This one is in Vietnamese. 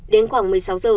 đến khoảng một mươi sáu h